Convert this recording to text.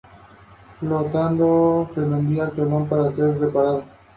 Las tres naves se cubren de bóvedas de cañón en todos sus tramos.